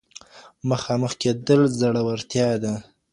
مخامخ کېدل زړورتيا ده.